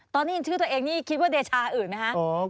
ได้ยินชื่อตัวเองนี่คิดว่าเดชาอื่นไหมคะ